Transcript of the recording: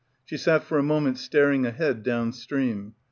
She sat for a moment staring ahead down stream.